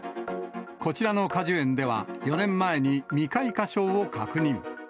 こちらの果樹園では、４年前に未開花症を確認。